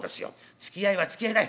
つきあいはつきあいだい。